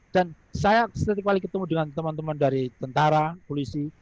dan saya sekali lagi bertemu dengan teman teman dari tentara polisi